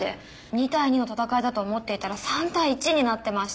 ２対２の戦いだと思っていたら３対１になってました。